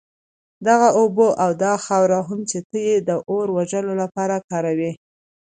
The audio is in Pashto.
دغه اوبه او دا خاوره هم چي ته ئې د اور وژلو لپاره كاروې